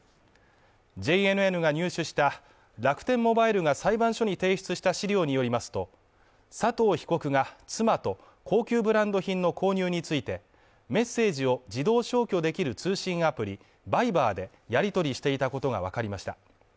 ＪＮＮが入手した楽天モバイルが裁判所に提出した資料によりますと、佐藤被告が妻と高級ブランド品の購入についてメッセージを自動消去できる通信アプリＶｉｂｅｒでやり取りしていたことがわかりました。